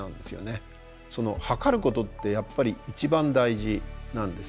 測ることってやっぱり一番大事なんです。